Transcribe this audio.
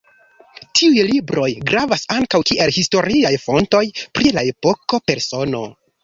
Tiuj libroj gravas ankaŭ kiel historiaj fontoj pri la epoko, persono.